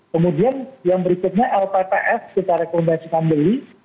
kemudian yang berikutnya lpps kita rekomendasikan beli